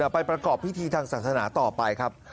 ไปประกอบพิธีทางศาสนาต่อไปครับ